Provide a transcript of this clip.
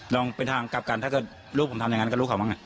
ลองเป็นทางกลับกันถ้าคุณรู้ผมทำอย่างงั้นก็คุณรู้ของผม